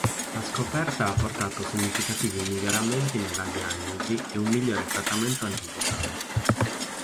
La scoperta ha portato a significativi miglioramenti nella diagnosi e un migliore trattamento antivirale.